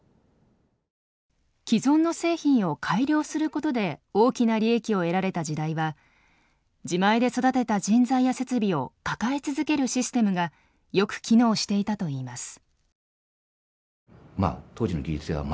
既存の製品を改良することで大きな利益を得られた時代は自前で育てた人材や設備を抱え続けるシステムがよく機能していたといいます。